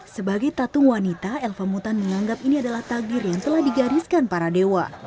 sebagai tatung wanita elva mutan menganggap ini adalah tagir yang telah digariskan para dewa